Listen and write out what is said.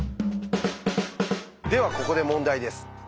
ではここで問題です。